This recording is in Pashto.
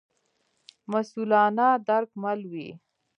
مسوولانه درک مل وي.